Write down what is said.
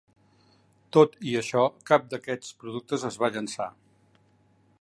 Tot i això, cap d'aquests productes es va llançar.